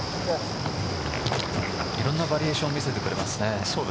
いろんなバリエーションを見せてくれますね。